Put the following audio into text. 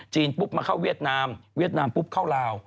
ปุ๊บมาเข้าเวียดนามเวียดนามปุ๊บเข้าลาว